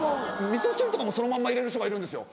味噌汁とかもそのまんま入れる人がいるんですよ。